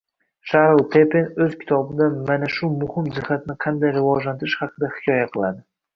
Sharl Pepen o‘z kitobida ana shu muhim jihatni qanday rivojlantirish haqida hikoya qiladi